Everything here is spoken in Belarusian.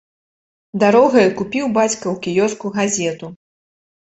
Дарогаю купіў бацька ў кіёску газету.